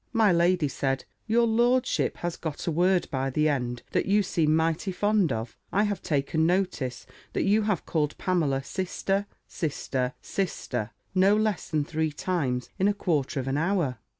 My lady said, "Your lordship has got a word by the end, that you seem mighty fond of: I have taken notice, that you have called Pamela Sister, Sister, Sister, no less than three times in a quarter of an hour."